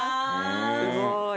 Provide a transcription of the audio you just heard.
すごーい。